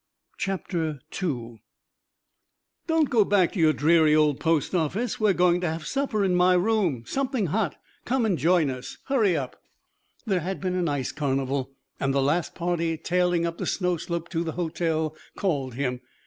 II "Don't go back to your dreary old post office. We're going to have supper in my room something hot. Come and join us. Hurry up!" There had been an ice carnival, and the last party, tailing up the snow slope to the hotel, called him.